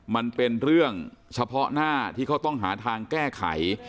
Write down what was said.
มันเป็นเรื่องเฉพาะหน้าที่เขาต้องหาทางแก้ไข